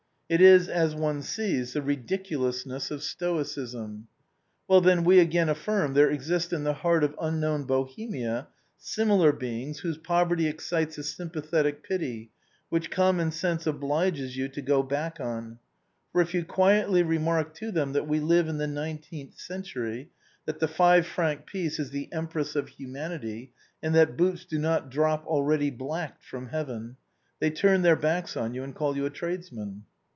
It is, as one sees, the ridiculousness of stoicism. Well, then, we again affirm, there exist in the heart of unknown Bohemia, similar beings whose poverty excites a sympathetic pity which common sense obliges you to go back on, for if you quietly remark to them that we live in the nineteenth century, that the five franc piece is the empress of hu manity, and that boots do not drop ready blacked from heaven, they turn their backs on you and call you a tradesman.